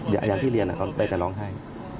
อย่างที่เรียนนะครับไปแต่ร้องไห้